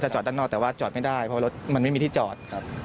จอดด้านนอกแต่ว่าจอดไม่ได้เพราะรถมันไม่มีที่จอดครับ